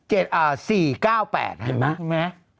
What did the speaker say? ๔๙๘เห็นไหม